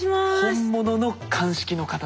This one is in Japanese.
本物の鑑識の方です。